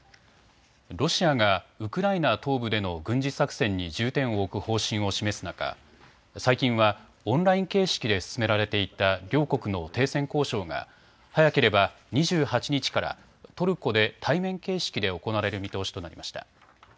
ロシアがウクライナ東部での軍事作戦に重点を置く方針を示す中、最近はオンライン形式で進められていた両国の停戦交渉が早ければ２８日からトルコで対面形式で行われる見通しとなりました。